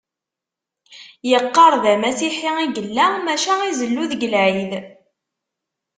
Yeqqar d amasiḥi i yella maca izellu deg lɛid